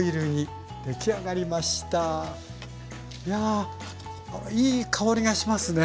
いやいい香りがしますね。